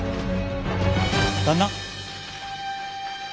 旦那？